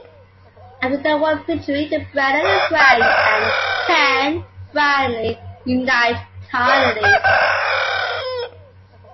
After they won the victory, Brenda and Frank can finally unite carnally.